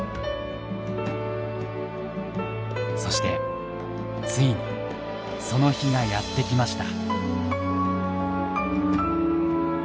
そしてついにその日がやってきました。